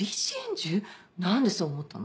何でそう思ったの？